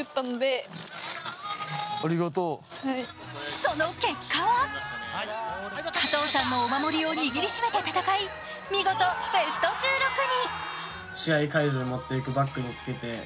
その結果は、加藤さんのお守りを握り締めて戦い、見事、ベスト１６に。